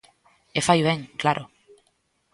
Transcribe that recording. E fai ben, claro.